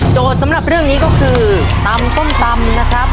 สำหรับเรื่องนี้ก็คือตำส้มตำนะครับ